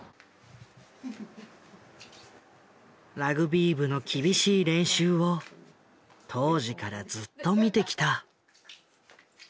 ラグビー部の厳しい練習を当時からずっと見てきた。